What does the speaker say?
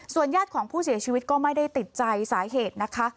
ญาติของผู้เสียชีวิตก็ไม่ได้ติดใจสาเหตุนะคะ